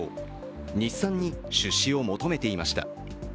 日産に出資を求めていました。